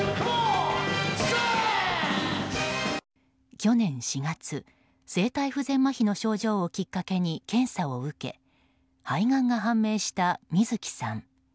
去年４月声帯不全まひの症状をきっかけに検査を受け肺がんが判明した水木さん。